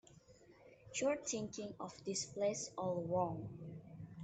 You're thinking of this place all wrong.